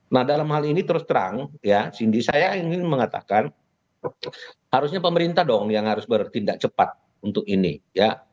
nah dalam hal ini terus terang ya cindy saya ingin mengatakan harusnya pemerintah dong yang harus bertindak cepat untuk ini ya